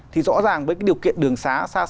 thì rõ ràng với cái điều kiện đường xá